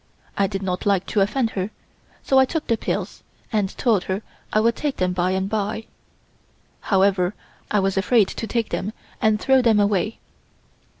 I did not like to offend her, so I took the pills and told her I would take them by and bye. However, I was afraid to take them and threw them away."